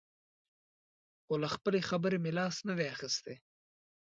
خو له خپلې خبرې مې لاس نه دی اخیستی.